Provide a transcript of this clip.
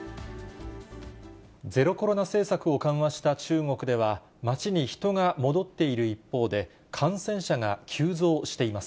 ゼロコロナ政策を緩和した中国では、街に人が戻っている一方で、感染者が急増しています。